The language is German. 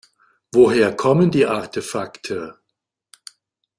Woher kommen die Artefakte?